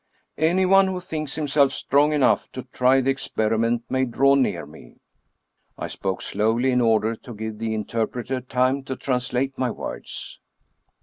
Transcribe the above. Anyone who thinks himself strong enough to try the experiment may draw near me." (I spoke slowly, in order to give the interpreter time to translate my words.)